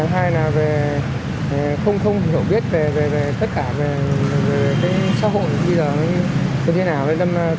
hai là về không thông hiểu biết về tất cả về xã hội bây giờ như thế nào